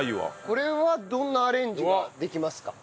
これはどんなアレンジができますか？